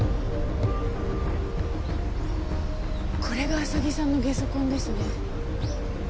これが浅木さんのゲソ痕ですね。